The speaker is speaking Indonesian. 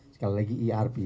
sekali lagi irp